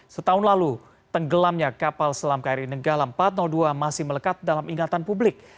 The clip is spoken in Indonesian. setahun lalu tenggelamnya kapal selam kri nenggala empat ratus dua masih melekat dalam ingatan publik